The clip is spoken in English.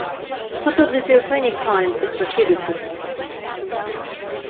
Photography of any kind is prohibited.